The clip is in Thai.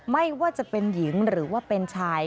ไม่ว่าจะเป็นหญิงหรือว่าเป็นชาย